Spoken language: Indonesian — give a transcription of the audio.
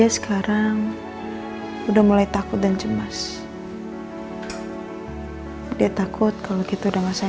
sampai hari seterusnya